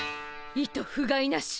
いとふがいなし。